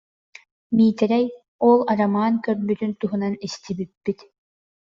Миитэрэй, ол Арамаан көрбүтүн туһунан истибиппит